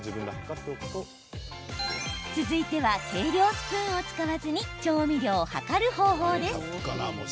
続いては、計量スプーンを使わずに調味料を量る方法です。